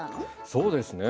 そうですね。